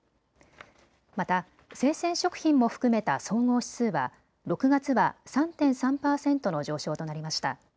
また生鮮食品も含めた総合指数は６月は３．３％の上昇となりました。